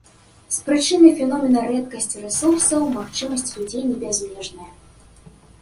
З прычыны феномена рэдкасці рэсурсаў, магчымасці людзей не бязмежныя.